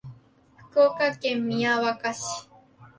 福岡県宮若市